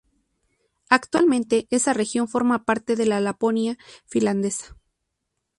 Actualmente esa región forma parte de la Laponia finlandesa.